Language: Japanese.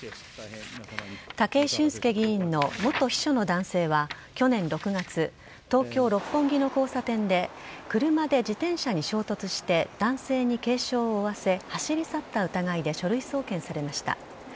武井俊輔議員の元秘書の男性は、去年６月、東京・六本木の交差点で、車で自転車に衝突して男性に軽傷を負わせ、走り去った疑いで書類送検されました。